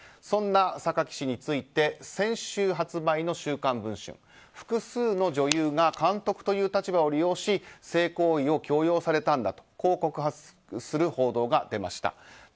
そんな榊氏について先週発売の「週刊文春」複数の女優が監督という立場を利用し性行為を強要されたんだと告発する報道が出ました。